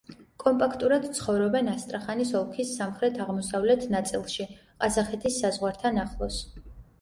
კომპაქტურად ცხოვრობენ ასტრახანის ოლქის სამხრეთ-აღმოსავლეთ ნაწილში, ყაზახეთის საზღვართან ახლოს.